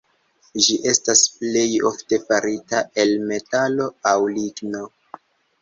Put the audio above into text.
Ĝi estas plej ofte farita el metalo aŭ ligno.